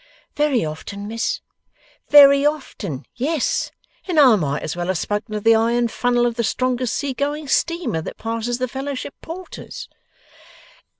'Very often, Miss.' 'Very often? Yes! And I might as well have spoken to the iron funnel of the strongest sea going steamer that passes the Fellowship Porters.